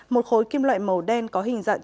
một khối kim loại màu đen có hình dạng